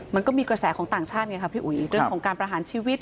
มันก็มีกระแสของต่างชาติไงค่ะพี่อุ๋ยเรื่องของการประหารชีวิต